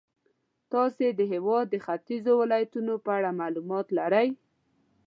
تاسې د هېواد د ختیځو ولایتونو په اړه معلومات لرئ.